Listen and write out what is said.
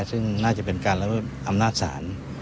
ซึ่งน่าจะเป็นการละเมิดอำนาจศาล